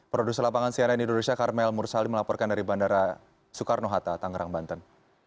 produser lapangan cnn indonesia karmel mursali melaporkan dari bandara soekarno hatta tangerang banten